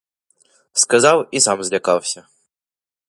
Сказав — і сам злякався.